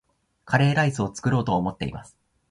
カレーライスを作ろうと思っています